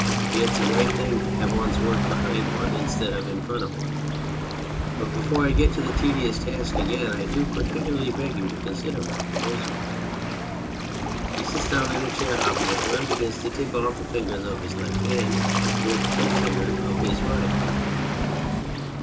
It's a great thing to have one's work behind one instead of in front of one. But before I get to the tedious task again I do par ticularly beg you to consider my proposal. (He sits down in a chair opposite her and begins to tick off the ^fingers of his left hand with the forefinger of his right.')